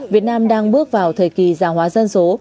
việt nam đang bước vào thời kỳ già hóa dân số